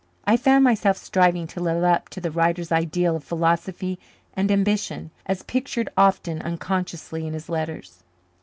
I found myself striving to live up to the writer's ideal of philosophy and ambition, as pictured, often unconsciously, in his letters.